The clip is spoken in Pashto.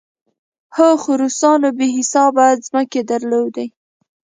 هو، خو روسانو بې حسابه ځمکې درلودې.